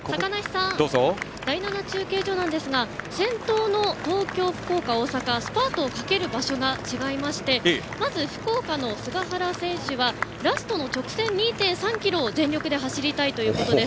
第７中継所ですが先頭の東京、福岡、大阪スパートをかける場所が違いましてまず福岡の菅原選手はラストの直線の２．３ｋｍを全力で走りたいということです。